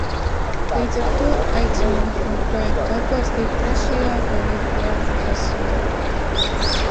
Līdz ar to aicinu likumprojektu atbalstīt trešajā, galīgajā, lasījumā.